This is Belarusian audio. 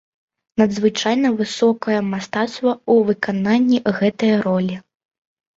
Надзвычайна высокае мастацтва ў выкананні гэтае ролі.